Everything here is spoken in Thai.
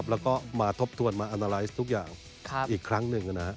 แล้วก็มาทบทวนมาอันตรายทุกอย่างอีกครั้งหนึ่ง